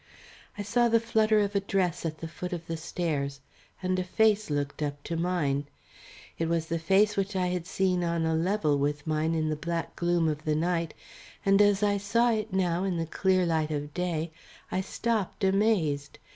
I saw the flutter of a dress at the foot of the stairs, and a face looked up to mine. It was the face which I had seen on a level with mine in the black gloom of the night, and as I saw it now in the clear light of day, I stopped amazed.